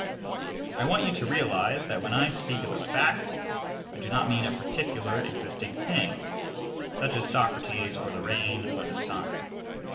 I want you to realize that when I speak of a fact I do not mean a particular existing thing, such as Socrates or the rain or the sun.